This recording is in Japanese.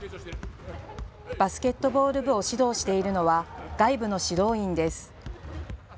バスケットボール部を指導しているのは外部の指導員です。